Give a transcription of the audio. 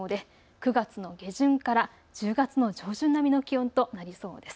９月の下旬から１０月の上旬並みの気温となりそうです。